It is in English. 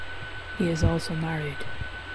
He is also married.